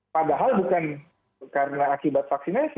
padahal bukan karena akibat vaksinasi